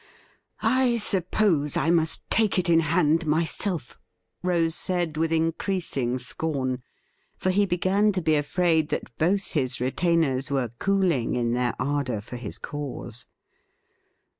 ' I suppose I must take it in hand myself,' Rose said with increasing scorn ; for he began to be afraid that both his retainers were cooling In their ardour for his cause.